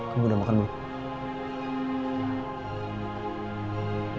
kamu udah makan belum